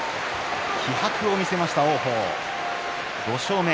気迫を見せました、王鵬５勝目。